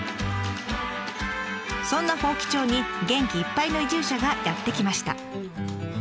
そんな伯耆町に元気いっぱいの移住者がやって来ました。